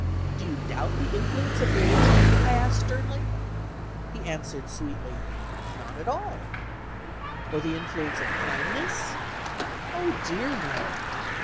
"Do you doubt the influence of religion?" I asked sternly. He answered, sweetly: "Not at all" "Or the influence of kindness?" "Oh, dear, no!"